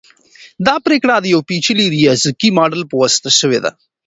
دا پریکړه د یو پیچلي ریاضیکي ماډل په واسطه شوې ده.